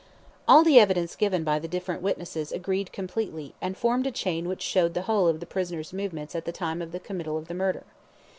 All the evidence given by the different witnesses agreed completely, and formed a chain which showed the whole of the prisoner's movements at the time of the committal of the murder.